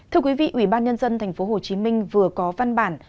thưa quý vị ủy ban nhân dân tp hcm vừa có văn bản